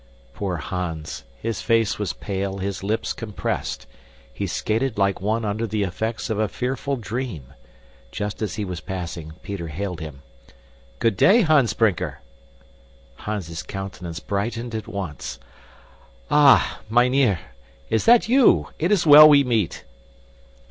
Poor Hans! His face was pale, his lips compressed. He skated like one under the effects of a fearful dream. Just as he was passing, Peter hailed him: "Good day, Hans Brinker!" Hans's countenance brightened at once. "Ah, mynheer, is that you? It is well we meet!"